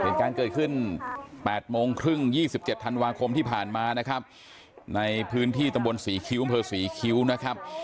เห็นการเกิดขึ้นแปดโมงครึ่งยี่สิบเจ็บธันวาคมที่ผ่านมานะครับในพื้นที่ตำบลสี่คิ้วเมืองสี่คิ้วนะครับ